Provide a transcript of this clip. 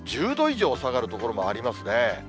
１０度以上下がる所もありますね。